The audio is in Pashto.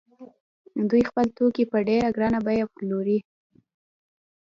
دوی خپل توکي په ډېره ګرانه بیه پلوري